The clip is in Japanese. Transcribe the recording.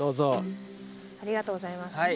ありがとうございます。